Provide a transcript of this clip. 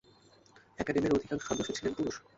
একাডেমীর অধিকাংশ সদস্য ছিলেন পুরুষ।